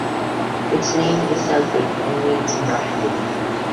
Its name is Celtic and means "brushwood".